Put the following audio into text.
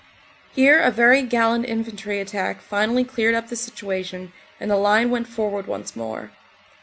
Here a very gallant infantry attack finally cleared up the situation and the line went forward once more.